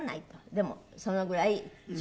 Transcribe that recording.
でもそのぐらい力。